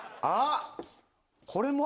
あっ。